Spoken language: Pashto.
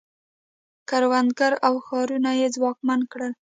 کروندګر او ښارونه یې ځواکمن کړل